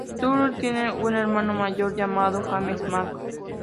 Stuart tiene un hermano mayor llamado, James Manning.